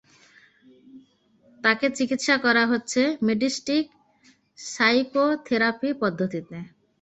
তাকে চিকিৎসা করা হচ্ছে মেডিষ্টিক সাইকোথেরাপি পদ্ধতিতে।